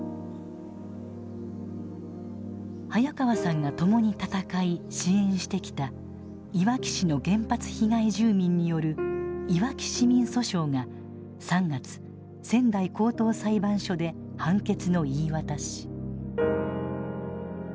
早川さんが共に闘い支援してきたいわき市の原発被害住民による「いわき市民訴訟」が３月仙台高等裁判所で判決の言い渡し。